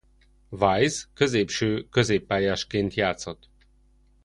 Wise középső középpályásként játszott.